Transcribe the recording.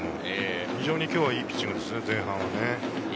非常に今日は前半はいいピッチングですね。